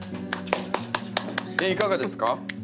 いかがですか？